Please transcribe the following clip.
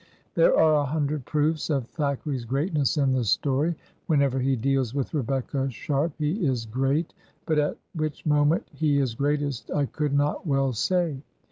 There are a hundred proofs of Thack eray's greatness in the story; whenever he deals with Rebecca Sharp he is great, but at which moment he is greatest I could not well say.